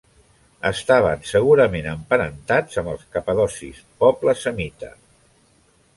Estaven segurament emparentats amb els capadocis, poble semita.